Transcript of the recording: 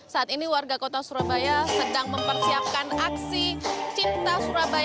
saat ini warga kota surabaya sedang mempersiapkan aksi cipta surabaya